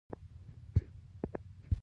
د وینې د رګونو د قطر تنظیمول هم د دوی رول دی.